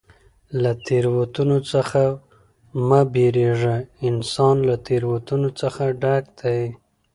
له تېروتنو څخه مه بېرېږه! انسان له تېروتنو څخه ډک دئ.